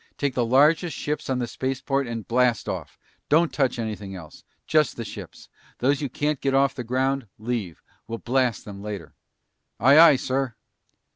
Take the largest ships on the spaceport and blast off. Don't touch anything else! Just the ships. Those you can't get off the ground, leave. We'll blast them later!" "Aye, aye, sir."